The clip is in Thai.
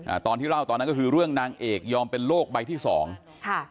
อ่าตอนที่เล่าตอนนั้นก็คือเรื่องนางเอกยอมเป็นโลกใบที่สองค่ะ